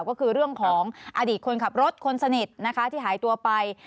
ก็คือเรื่องของอดีตคนขับรถคนสนิทนะคะที่หายตัวไป